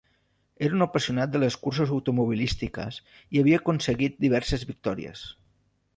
Era un apassionat de les curses automobilístiques i havia aconseguit diverses victòries.